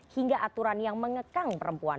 hingga aturan yang mengekang perempuan